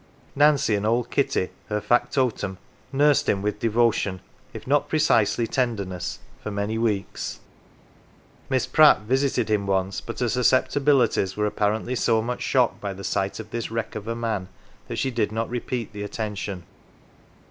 Nancy and old Kitty, her fac totum, nursed him with devotion, if not precisely tenderness, for many weeks. Miss Pratt visited him once, but her susceptibilities were apparently so much shocked by the sight of this wreck of a man that she did not repeat the attention.